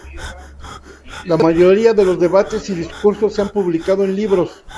La mayoría de los debates y discursos se han publicado en libros.